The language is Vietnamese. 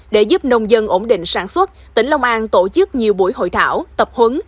để giúp nông dân ổn định sản xuất tỉnh long an tổ chức nhiều buổi hội thảo tập huấn